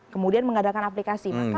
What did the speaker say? kemudian mengandalkan aplikasi